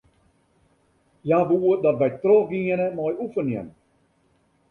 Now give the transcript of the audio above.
Hja woe dat wy trochgiene mei oefenjen.